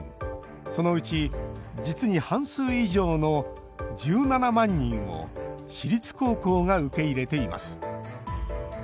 そのうち、実に半数以上の１７万人を私立高校が受け入れています。